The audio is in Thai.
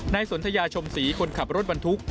สนทยาชมศรีคนขับรถบรรทุก